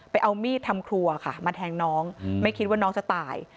เอามีดทำครัวค่ะมาแทงน้องไม่คิดว่าน้องจะตาย